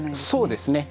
そうですね。